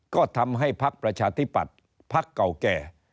ก็ทำให้ภักดิ์ประชาธิบัติภักดิ์เก่าแก่